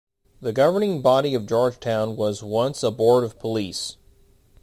The governing body of Georgetown was once a Board of Police.